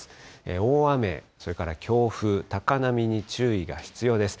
大雨、それから強風、高波に注意が必要です。